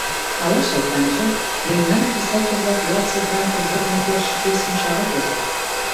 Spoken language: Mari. Ала шайтанже, мемнан писатель-влак ялысе драмкружоклан келшыше пьесым шагал возат.